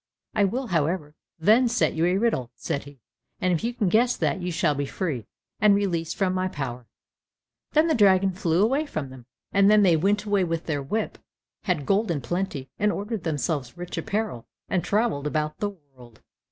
"I will, however, then set you a riddle," said he, "and if you can guess that, you shall be free, and released from my power." Then the dragon flew away from them, and they went away with their whip, had gold in plenty, ordered themselves rich apparel, and travelled about the world.